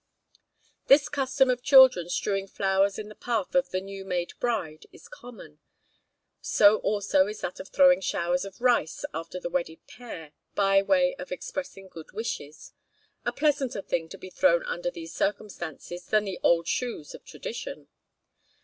This custom of children strewing flowers in the path of the new made bride is common; so also is that of throwing showers of rice after the wedded pair, by way of expressing good wishes a pleasanter thing to be thrown under these circumstances than the old shoes of tradition.